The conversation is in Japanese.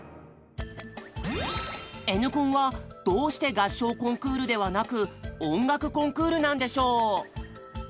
Ｎコンはどうして「合唱コンクール」ではなく「音楽コンクール」なんでしょう？